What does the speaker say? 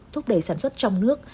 thúc đẩy sản xuất trong nước